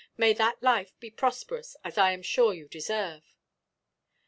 May that life be prosperous; as I am sure you deserve."